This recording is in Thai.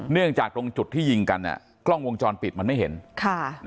เนื่องจากตรงจุดที่ยิงกันเนี่ยกล้องวงจรปิดมันไม่เห็นค่ะ